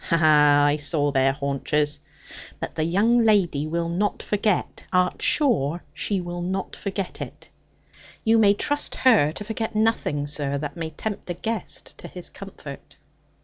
Ha, ha, I saw their haunches. But the young lady will not forget art sure she will not forget it?' 'You may trust her to forget nothing, sir, that may tempt a guest to his comfort.'